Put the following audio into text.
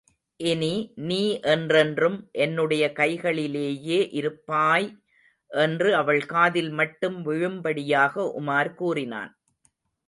இனி நீ என்றென்றும் என்னுடைய கைகளிலேயே இருப்பாய்! என்று அவள் காதில் மட்டும் விழும்படியாக உமார் கூறினான்.